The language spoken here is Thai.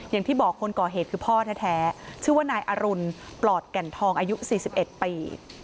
อย่างที่บอกคนก่อเหตุคือพ่อแท้ชื่อว่านายอรุณปลอดแก่นทองอายุ๔๑ปี